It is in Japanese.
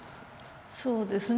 そうですね。